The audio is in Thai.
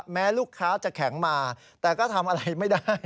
แม้ลูกค้าจะแข็งมาแต่ก็ทำอะไรไม่ได้